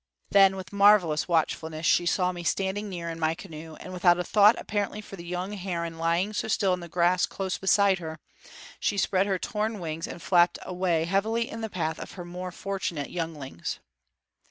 Then with marvelous watchfulness she saw me standing near in my canoe; and without a thought, apparently, for the young heron lying so still in the grass close beside her, she spread her torn wings and flapped away heavily in the path of her more fortunate younglings.